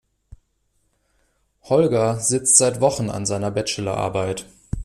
Holger sitzt seit Wochen an seiner Bachelorarbeit.